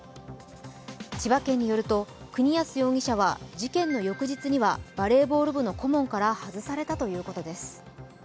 千葉県によると、国安容疑者は事件の翌日にはバレーボール部の顧問から外されたということです。